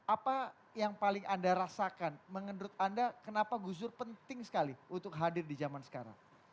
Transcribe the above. apa yang paling anda rasakan menurut anda kenapa gus dur penting sekali untuk hadir di zaman sekarang